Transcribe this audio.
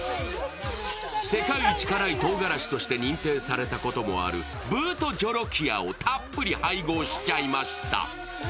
世界一辛いとうがらしとして認定されたこともある、ブートジョロキアをたっぷり配合しちゃいました。